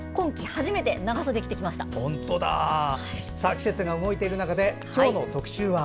季節が動いている中で今日の特集は？